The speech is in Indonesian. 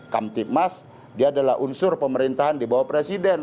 kamtipmas dia adalah unsur pemerintahan di bawah presiden